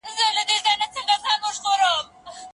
استقامت د ايمان د ښکلا او قوت سبب دی.